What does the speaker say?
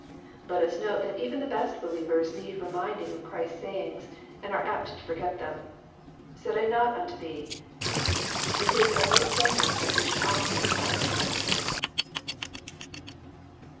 L^ us note that even the best believers need reminding of Christ's sayings, and are apt to forget them. << Said I not unto thee." It is a little sentence we should often call to mind.